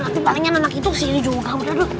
nanti palingnya anak itu kesini juga